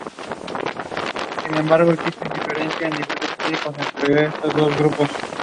En un estacionamiento cerca de una escuela, un coche explota.